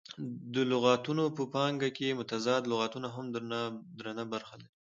د لغتونه په پانګه کښي متضاد لغتونه هم درنه برخه لري.